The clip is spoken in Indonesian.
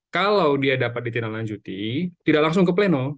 kalau dia dapat ditindaklanjuti tidak langsung ke pleno